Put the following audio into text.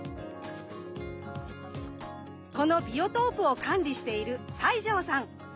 このビオトープを管理している西城さん。